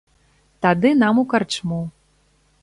Тады нам у карчму.